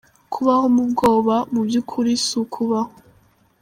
“Kubaho mu bwoba, mu by’ukuri si ukubaho.